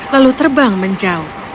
lalu terbang menjauh